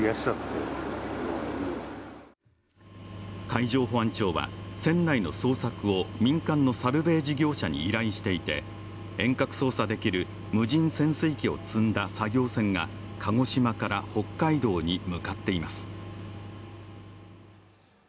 海上保安庁は船内の捜索を民間のサルベージ業者に依頼していて遠隔操作できる無人潜水機を積んだ作業船が鹿児島から北海道に向かっています。